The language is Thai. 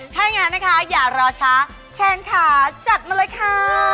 ถ้าอย่างนั้นนะคะอย่ารอช้าเชนค่ะจัดมาเลยค่ะ